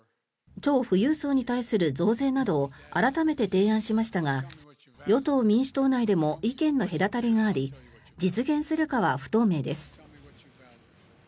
超富裕層に対する増税などを改めて提案しましたが与党・民主党内でも意見の隔たりがあり実現するかは不透明です。